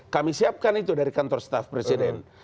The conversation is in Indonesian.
kami siapkan itu dari kantor staff presiden